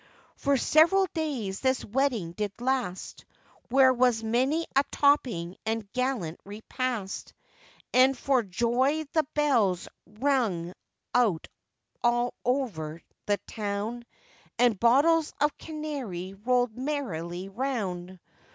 For several days this wedding did last, Where was many a topping and gallant repast, And for joy the bells rung out all over the town, And bottles of canary rolled merrily round.